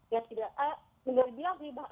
ya tidak benar benar